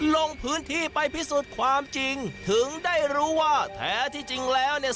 ลงพื้นที่ไปพิสูจน์ความจริงถึงได้รู้ว่าแท้ที่จริงแล้วเนี่ย